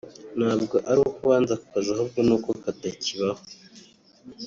ntabwo ari uko banze ako kazi ahubwo n’uko katakibaho